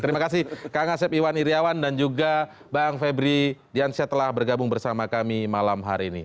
terima kasih kang asep iwan iryawan dan juga bang febri diansyah telah bergabung bersama kami malam hari ini